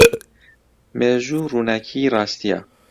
مێژوو ڕووناکیی ڕاستییە.